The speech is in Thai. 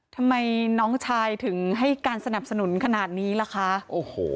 ทำไมน้องชายถึงให้การสนับสนุนขนาดนี้ล่ะคะโอ้โห